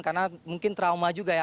karena mungkin trauma juga ya